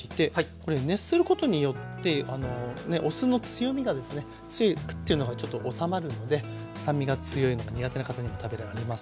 これ熱することによってお酢の強みがですね強いクッていうのがちょっと収まるので酸味が強いのが苦手な方にも食べられますし。